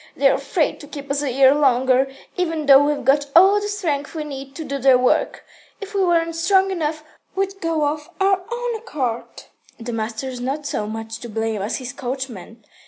They're afraid to keep us a year longer, even though we've got all the strength we need to do their work. If we weren't strong enough, we'd go of our own accord." "The master's not so much to blame as his coachman.